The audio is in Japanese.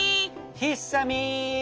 ひっさみん。